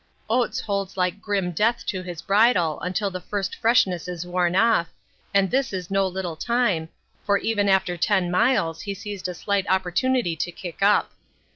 Oates holds like grim death to his bridle until the first freshness is worn off, and this is no little time, for even after 10 miles he seized a slight opportunity to kick up.